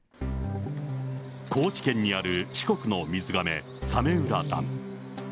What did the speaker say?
高知県にある四国の水がめ、早明浦ダム。